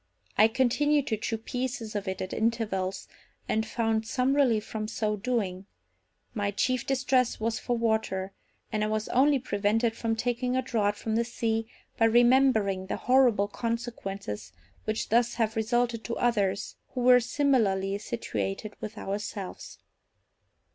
I continued to chew pieces of it at intervals, and found some relief from so doing; my chief distress was for water, and I was only prevented from taking a draught from the sea by remembering the horrible consequences which thus have resulted to others who were similarly situated with ourselves.